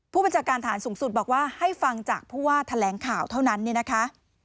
ผู้วิจารณ์ฐานสูงสุดบอกว่าให้ฟังจากเพราะว่าแถลงข่าวเท่านั้นนะคะ